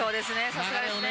さすがですね。